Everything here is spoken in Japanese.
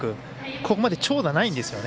ここまで長打ないんですよね。